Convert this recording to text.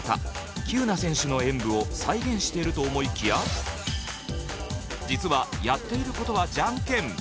喜友名選手の演舞を再現してると思いきや実はやっていることはじゃんけん。